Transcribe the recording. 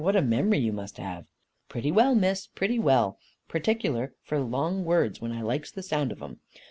What a memory you must have!" "Pretty well, Miss, pretty well. Particular for long words, when I likes the sound of them.